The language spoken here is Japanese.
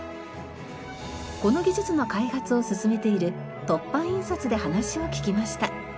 この技術の開発を進めている凸版印刷で話を聞きました。